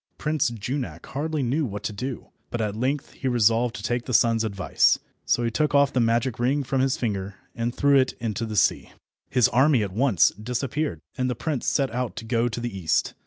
Prince Junak hardly knew what to do, but at length he resolved to take the sun's advice, so he took off the magic ring from his finger and threw it into the sea. His army at once disappeared, and the prince set out to go to the east.